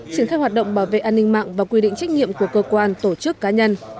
triển khai hoạt động bảo vệ an ninh mạng và quy định trách nhiệm của cơ quan tổ chức cá nhân